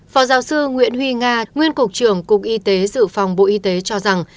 phó giáo sư nguyễn huy nga nguyên cục trưởng cục y tế dự phòng bộ y tế cho rằng